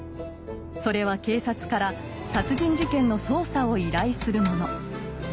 それは警察から殺人事件の捜査を依頼するもの。